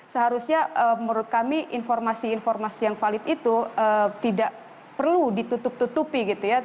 seharusnya menurut kami informasi informasi yang valid itu tidak perlu ditutup tutupi gitu ya